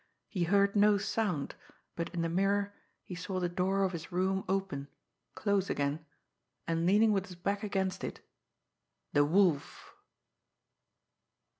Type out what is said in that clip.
He heard no sound, but in the mirror he saw the door of his room open, close again, and, leaning with his back against it _the Wolf!